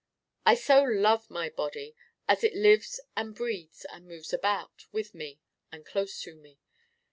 I so love my Body as it lives and breathes and moves about, with me and close to me.